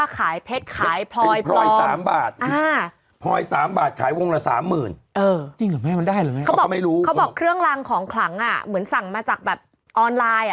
เขาบอกเครื่องรางของขลังเหมือนสั่งมาจากแบบออนไลน์